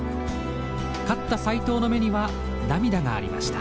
勝った斎藤の目には涙がありました。